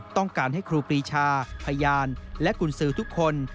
ต้องการให้ครูปรีชาพยานและกุญสือทุกคน